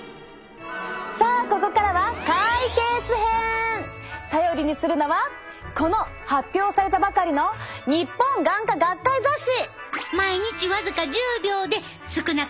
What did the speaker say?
さあここからは頼りにするのはこの発表されたばかりの日本眼科学会雑誌！